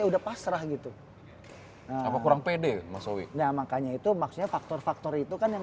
dan ra serah gitu apa kurang pede masowi nah makanya itu makanya faktor faktor itu kan yang